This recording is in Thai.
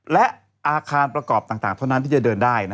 และอาคารประกอบต่างเท่านั้นที่จะเดินได้